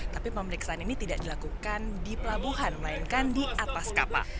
tapi pemeriksaan ini tidak dilakukan di pelabuhan melainkan di atas kapal